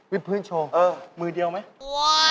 พื้นโชว์มือเดียวไหม